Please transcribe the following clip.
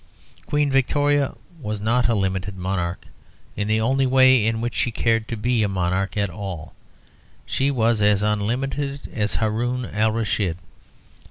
Queen Victoria was not a limited monarch; in the only way in which she cared to be a monarch at all she was as unlimited as Haroun Alraschid.